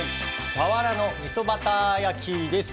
さわらのみそバター焼きです。